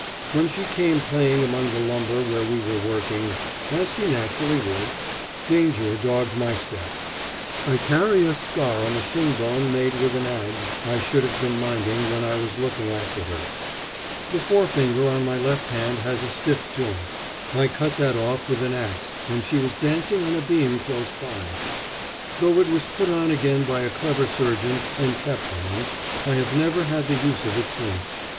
When she came playing among the lumber where we were working, as she naturally would, danger dogged my steps. I carry a scar on the shin bone made with an adze I should have been minding when I was looking after her. The forefinger on my left hand has a stiff joint. I cut that off with an axe when she was dancing on a beam close by. Though it was put on again by a clever surgeon and kept on, I have never had the use of it since.